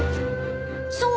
［そう。